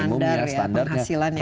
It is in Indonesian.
jadi ada standar ya penghasilan yang bisa